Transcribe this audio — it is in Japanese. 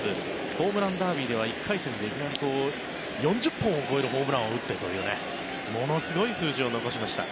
ホームランダービーでは１回戦でいきなり４０本を超えるホームランを打ってというものすごい数字を残しました。